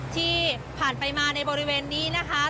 ที่ผ่านไปมาในบริเวณนี้นะคะ